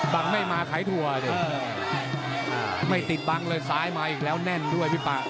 บังไม่มาขายถั่วดิไม่ติดบังเลยซ้ายมาอีกแล้วแน่นด้วยพี่ป่า